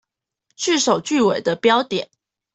句首句尾的標點